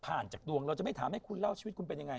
จากดวงเราจะไม่ถามให้คุณเล่าชีวิตคุณเป็นยังไง